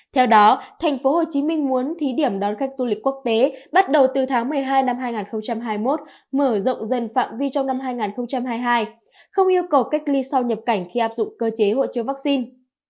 theo đó thành phố hồ chí minh muốn thí điểm đón khách du lịch quốc tế bắt đầu từ tháng một mươi hai năm hai nghìn hai mươi một mở rộng dần phạm vi trong năm hai nghìn hai mươi hai không yêu cầu cách ly sau nhập cảnh khi áp dụng cơ chế hộ chiếu vaccine